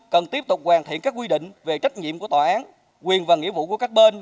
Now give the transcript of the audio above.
cần tiếp tục hoàn thiện các quy định về trách nhiệm của tòa án quyền và nghĩa vụ của các bên